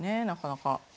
なかなか。